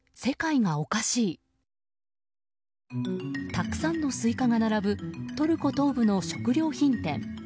たくさんのスイカが並ぶトルコ東部の食料品店。